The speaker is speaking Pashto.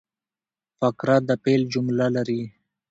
فقره د پیل جمله لري.